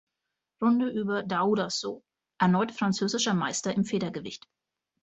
Runde über Daouda Sow erneut französischer Meister im Federgewicht.